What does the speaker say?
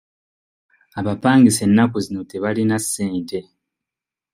Abapangisa ennaku zino tebalina ssente.